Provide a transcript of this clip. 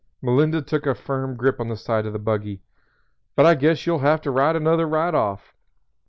Melinda took a firm grip on the side of the buggy. "But I guess you'll have to write another right off.